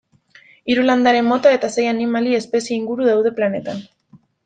Hiru landare mota eta sei animali espezie inguru daude planetan.